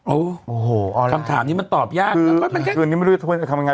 โอ้โหคำถามนี้มันตอบยากคืนนี้ไม่รู้จะทำยังไง